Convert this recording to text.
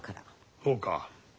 そうか。